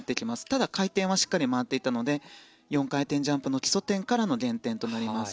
ただ、回転はしっかり回っていたので４回転ジャンプの基礎点からの減点となります。